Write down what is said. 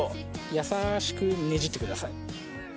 優しくねじってください。